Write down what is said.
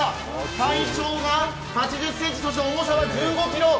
体長が８０ｃｍ、重さが１５ｋｇ。